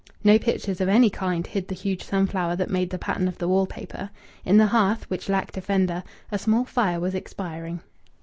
No pictures of any kind hid the huge sunflower that made the pattern of the wall paper. In the hearth, which lacked a fender, a small fire was expiring.